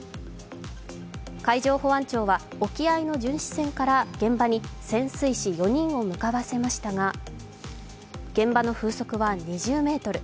海上保安庁は、沖合の巡視船から現場に潜水士４人を向かわせましたが現場の風速は２０メートル。